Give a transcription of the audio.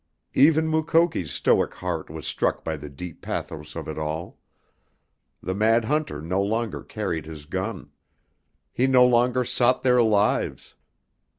Even Mukoki's stoic heart was struck by the deep pathos of it all. The mad hunter no longer carried his gun. He no longer sought their lives.